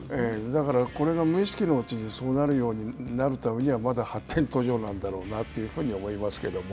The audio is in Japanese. だからこれが無意識のうちにそうなるようになるためにはまだ発展途上なんだろうなというふうに思いますけど。